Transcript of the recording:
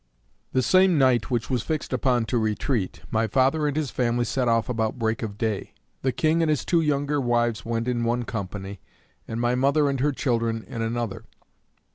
The same night which was fixed upon to retreat, my father and his family set off about break of day. The king and his two younger wives went in one company, and my mother and her children in another.